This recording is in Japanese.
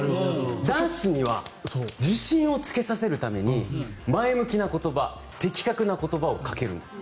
男子には自信をつけさせるために前向きな言葉的確な言葉をかけるんです。